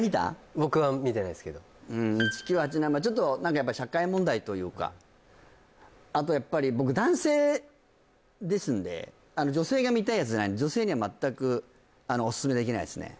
僕は見てないすけどちょっと何か社会問題というかあとやっぱり僕男性ですんで女性が見たいやつじゃない女性には全くお薦めできないっすね